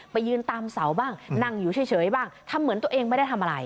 ไปยืนตามเสาบ้างนั่งอยู่เฉยบ้างทำเหมือนตัวเองไม่ได้ทำอะไร